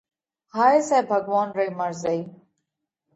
هائي سئہ ڀڳوونَ رئِي مرضئِي۔